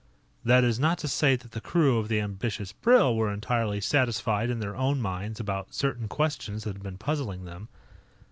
That is not to say that the crew of the Ambitious Brill were entirely satisfied in their own minds about certain questions that had been puzzling them.